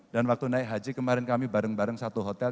dan waktu naik haji kemarin kami bareng bareng satu hotel